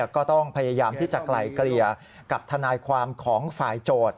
ก็ต้องพยายามที่จะไกลเกลี่ยกับทนายความของฝ่ายโจทย์